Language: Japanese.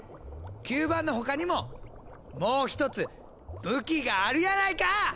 吸盤のほかにももう一つ武器があるやないか！